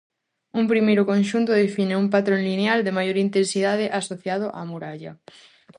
Un primeiro conxunto define un patrón lineal de maior intensidade asociado á muralla.